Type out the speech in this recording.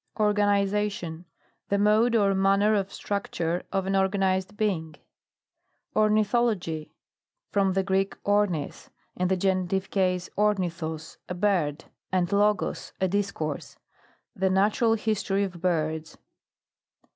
ORGANIZATION. The mode or manner of structure of an organized being. ORNITHOLOGY. From the Greek ornis, in the genitive case, ornithos, a bird, and logos, a discourse. The natu ral history of birds.